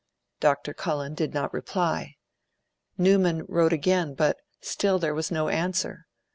Dr. Cullen did not reply. Newman wrote again, but still there was no answer.